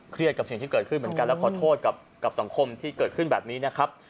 กับสิ่งที่เกิดขึ้นเหมือนกันแล้วขอโทษกับสังคมที่เกิดขึ้นแบบนี้นะครับ